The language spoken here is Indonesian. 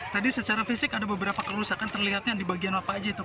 tadi secara fisik ada beberapa kerusakan terlihatnya di bagian apa aja itu